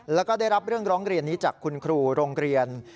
แล้วก็ได้รับเรื่องร้องเรียนนี้จากคุณครูโรงเรียน